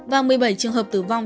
và một mươi bảy trường hợp tử vong